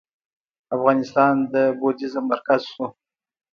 افغانستان د بودیزم مرکز شو